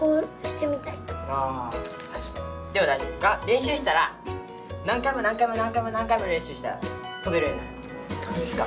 練習したら何回も何回も何回も何回も練習したらとべるようになるいつか。